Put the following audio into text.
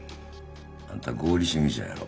あんた合理主義者やろ？